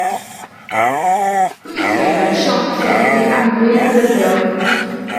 Gweithiai mewn siop lle cedwid amryw gryddion.